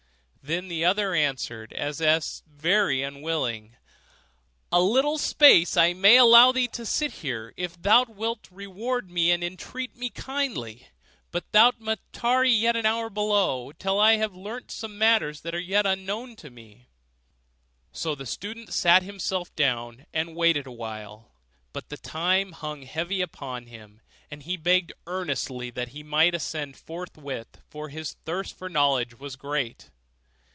Then the other answered, as if very unwillingly, 'A little space I may allow thee to sit here, if thou wilt reward me well and entreat me kindly; but thou must tarry yet an hour below, till I have learnt some little matters that are yet unknown to me.' So the student sat himself down and waited a while; but the time hung heavy upon him, and he begged earnestly that he might ascend forthwith, for his thirst for knowledge was great.